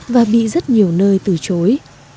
và bị rất nhiều nơi từ chối